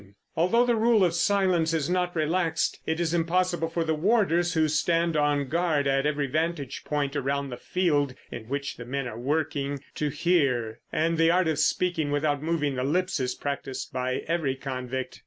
Although the rule of silence is not relaxed, it is impossible for the warders, who stand on guard at every vantage point around the field in which the men are working, to hear; and the art of speaking without moving the lips is practised by every convict.